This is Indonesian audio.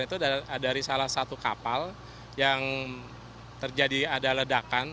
itu dari salah satu kapal yang terjadi ada ledakan